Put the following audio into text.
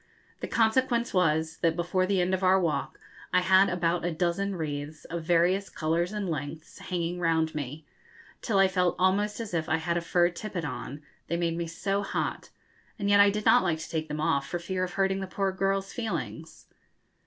The consequence was that, before the end of our walk, I had about a dozen wreaths, of various colours and lengths, hanging round me, till I felt almost as if I had a fur tippet on, they made me so hot; and yet I did not like to take them off for fear of hurting the poor girls' feelings.